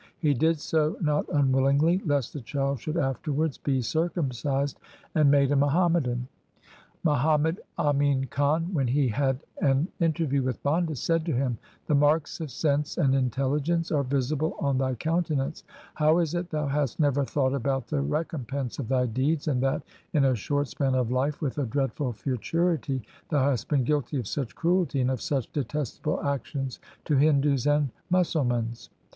He did so, not unwillingly, lest the child should afterwards be circumcised and made a Muhammadan. Muhammad Amin Khan, when he had an inter view with Banda, said to him, ' The marks of sense and intelligence are visible on thy countenance : how is it thou hast never thought about the recompense of thy deeds, and that in a short span of life with a dreadful futurity thou hast been guilty of such cruelty and of such detestable actions to Hindus and Musulmans